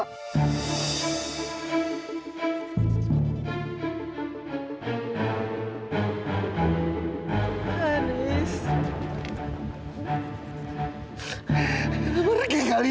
kamu saja sedih sama alena